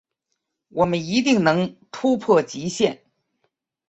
我们一定能突破极限